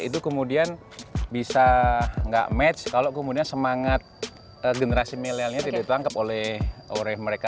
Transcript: itu kemudian bisa nggak match kalau kemudian semangat generasi milenialnya tidak ditangkap oleh mereka